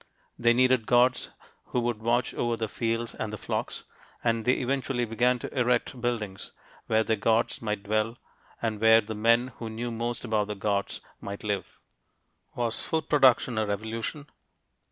They needed gods who would watch over the fields and the flocks, and they eventually began to erect buildings where their gods might dwell, and where the men who knew most about the gods might live. WAS FOOD PRODUCTION A "REVOLUTION"?